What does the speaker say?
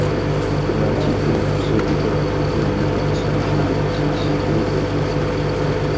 软体度量是一个对于软体性质及其规格的量测。